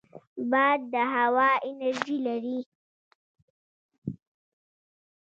باد د هوا انرژي لري